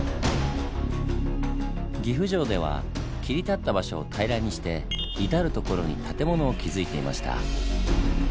岐阜城では切り立った場所を平らにして至る所に建物を築いていました。